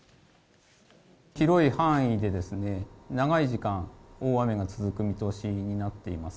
広い範囲で長い時間、大雨が続く見通しになっています。